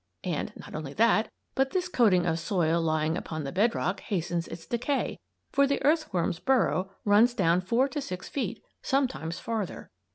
And, not only that, but this coating of soil lying upon the bed rock hastens its decay; for the earthworm's burrow runs down four to six feet, sometimes farther.